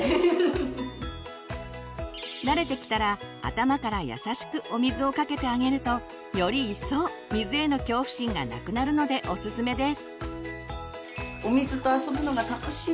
慣れてきたら頭から優しくお水をかけてあげるとよりいっそう水への恐怖心がなくなるのでオススメです。